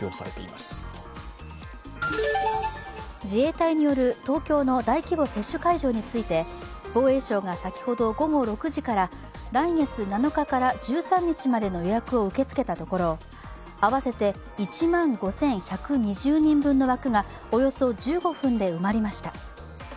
自衛隊による東京の大規模接種会場について防衛省が先ほど午後６時から来月７日から１３日までの予約を受け付けたところ、合わせて１万５１２０人分の枠がおよそ１５分で埋まりました。